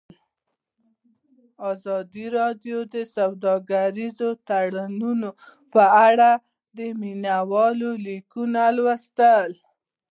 ازادي راډیو د سوداګریز تړونونه په اړه د مینه والو لیکونه لوستي.